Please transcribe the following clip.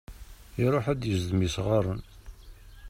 Iruḥ ad yezdem isɣaṛen.